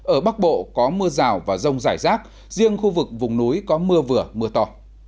ở bắc bộ có mưa rào và rông rải rác riêng khu vực vùng núi có mưa vừa mưa to